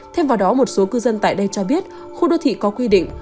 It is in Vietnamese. thêm vào đó một số cư dân tại đây cho biết khu đô thị có quy định